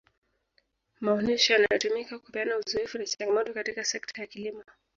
maonesho yanatumika kupeana uzoefu na changamoto katika sekta ya kilimo